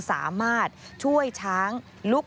สามารถช่วยช้างลุก